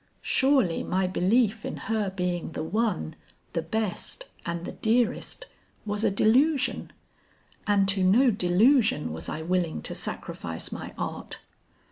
Surely my belief in her being the one, the best and the dearest was a delusion, and to no delusion was I willing to sacrifice my art.